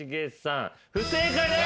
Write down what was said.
不正解です！